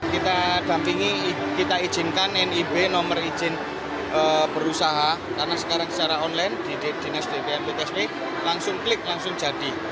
kita dampingi kita izinkan nib nomor izin perusahaan karena sekarang secara online di dpr dpsb langsung klik langsung jadi